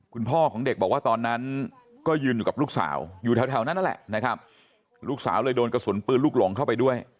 คุณพ่อของเด็กบอกว่าตอนนั้นก็ยืนอยู่กับลูกสาวอยู่แถวนั้นนั่นแหละนะครับลูกสาวเลยโดนกระสุนปืนลูกหลงเข้าไปด้วย